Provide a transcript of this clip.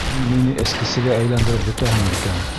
Һин мине эскесегә әйләндереп бөтәһең икән.